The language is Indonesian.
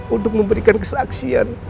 untuk memberikan kesaksian